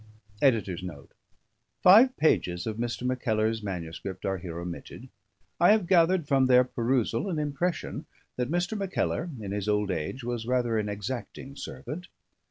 [EDITOR'S NOTE. _Five pages of Mr. Mackellar's MS. are here omitted. I have gathered from their perusal an impression that Mr. Mackellar, in his old age, was rather an exacting servant.